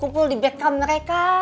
kumpul kumpul di back camp mereka